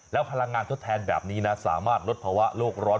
แล้วพลังงานทดแทนแบบนี้นะสามารถลดภาวะโลกร้อน